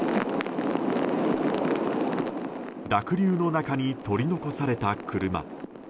濁流の中に取り残された車。